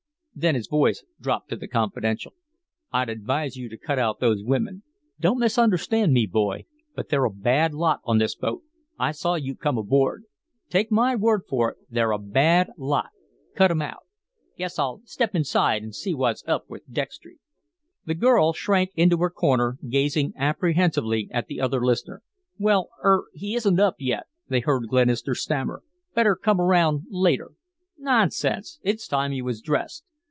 Then his voice dropped to the confidential: "I'd advise you to cut out those women. Don't misunderstand me, boy, but they're a bad lot on this boat. I saw you come aboard. Take my word for it they're a bad lot. Cut 'em out. Guess I'll step inside and see what's up with Dextry." The girl shrank into her corner, gazing apprehensively at the other listener. "Well er he isn't up yet," they heard Glenister stammer; "better come around later." "Nonsense; it's time he was dressed."